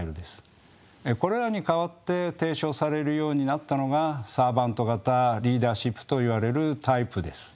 これらに代わって提唱されるようになったのがサーバント型リーダーシップといわれるタイプです。